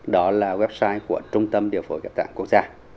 đó là website của trung tâm điều phổ kiểm soát quốc gia